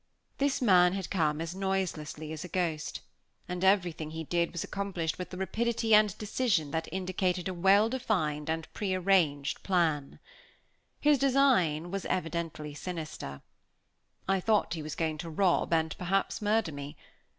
This man had come as noiselessly as a ghost; and everything he did was accomplished with the rapidity and decision that indicated a well defined and pre arranged plan. His designs were evidently sinister. I thought he was going to rob and, perhaps, murder me.